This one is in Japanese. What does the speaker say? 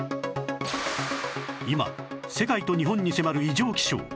今世界と日本に迫る異常気象